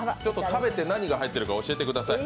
食べて、何が入ってるか教えてください。